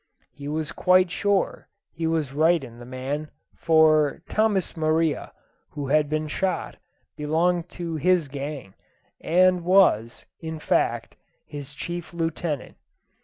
He was quite sure he was right in the man; for Tomas Maria, who had been shot, belonged to his gang, and was, in fact, his chief lieutenant.